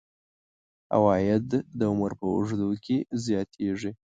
عواید د عمر په اوږدو کې زیاتیږي.